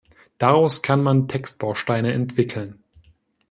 Daraus kann man Textbausteine entwickeln.